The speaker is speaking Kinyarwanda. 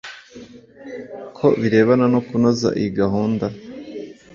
Ku birebana no kunoza iyi gahunda